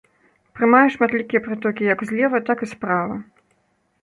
Прымае шматлікія прытокі як злева, так і справа.